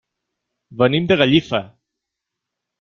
Venim de Gallifa.